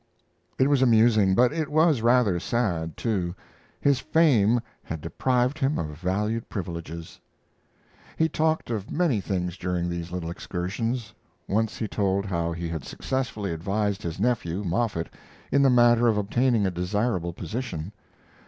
It was amusing, but it was rather sad, too. His fame had deprived him of valued privileges. He talked of many things during these little excursions. Once he told how he had successively advised his nephew, Moffett, in the matter of obtaining a desirable position.